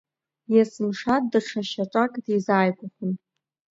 Иесымша даҽа шьаҿак дизааигәахон.